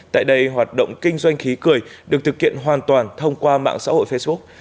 tại đây hoạt động kinh doanh khí cười được thực hiện hoàn toàn thông qua mạng xã hội facebook